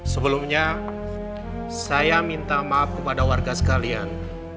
sebelumnya saya minta maaf kepada warga sekalian